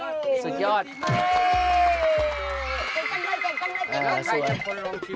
ใครจะจำได้ใครจะจำได้ใครจะคนลองชิมอ่ะ